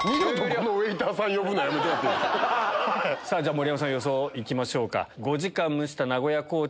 盛山さん予想いきましょうか。